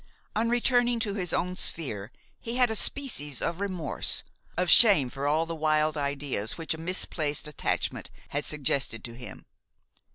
On returning to his own sphere he had a species of remorse, of shame for all the wild ideas which a misplaced attachment had suggested to him.